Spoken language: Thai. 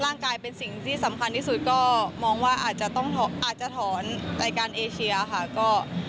ร่างกายเป็นสิ่งที่สำคัญที่สุดก็มองว่าอาจจะต้องอาจจะถอนรายการเอเชียค่ะ